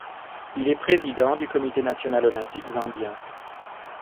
Il est président du Comité national olympique zambien.